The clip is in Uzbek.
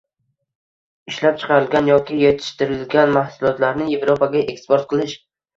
Ishlab chiqarilgan yoki yetishtirilgan mahsulotlarni Yevropaga eksport qilish.